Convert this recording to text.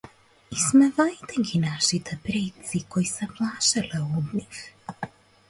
Исмевајте ги нашите предци кои се плашеле од нив.